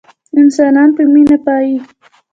انسانان په مينه پايي